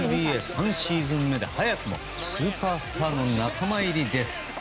ＮＢＡ３シーズン目で早くもスーパースターの仲間入りです。